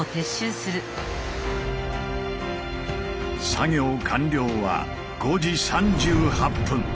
作業完了は５時３８分。